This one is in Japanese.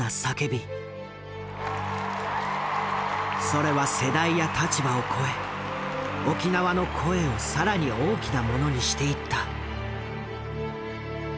それは世代や立場を超え沖縄の声を更に大きなものにしていった。